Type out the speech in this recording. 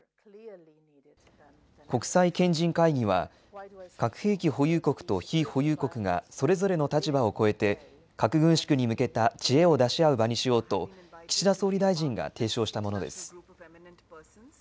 国際賢人会議は、核兵器保有国と非保有国がそれぞれの立場を越えて核軍縮に向けた知恵を出し合う場にしようと岸田総理大臣が提唱したものです。